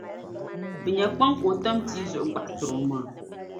bɛ nya kpaŋ ka o tam tii zuɣu gbaɣitir’ omaŋa.